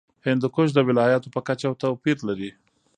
هندوکش د ولایاتو په کچه توپیر لري.